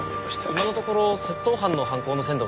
今のところ窃盗犯の犯行の線で追っています。